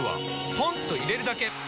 ポンと入れるだけ！